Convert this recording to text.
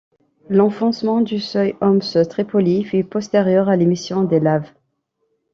L'enfoncement du seuil Homs-Tripoli fut postérieur à l'émission des laves.